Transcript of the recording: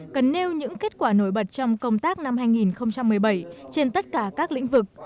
cần nêu những kết quả nổi bật trong công tác năm hai nghìn một mươi bảy trên tất cả các lĩnh vực